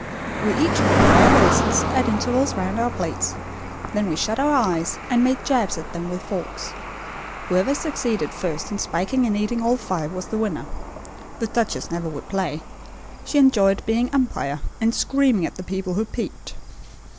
We each put five raisins at intervals round our plates, then we shut our eyes and made jabs at them with forks. Whoever succeeded first in spiking and eating all five was the winner. The duchess never would play. She enjoyed being umpire, and screaming at the people who peeped.